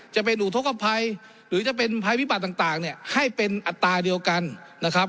จะเป็นอุทธกภัยหรือจะเป็นภัยพิบัติต่างเนี่ยให้เป็นอัตราเดียวกันนะครับ